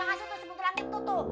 yang aset tuh sembunyi langit tuh